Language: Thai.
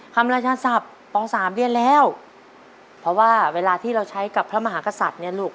พระราชศัพท์ปสามเรียนแล้วเพราะว่าเวลาที่เราใช้กับพระมหากษัตริย์เนี่ยลูก